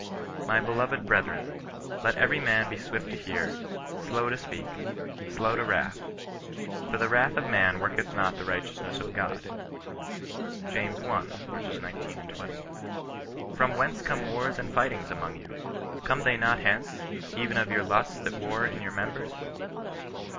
My beloved brethren, let every man be swift to hear, slow to speak, slow to wrath : for the wrath of man worketh not the righteousness of God." James i. 19, 20. " From whcTice come wars and fightings among you ? Come they not hence, even of your lusts that war in your members